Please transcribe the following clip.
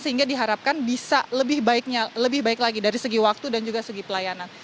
sehingga diharapkan bisa lebih baik lagi dari segi waktu dan juga segi pelayanan